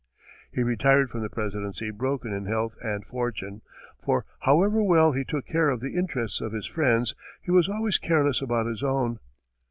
He retired from the presidency broken in health and fortune, for however well he took care of the interests of his friends, he was always careless about his own.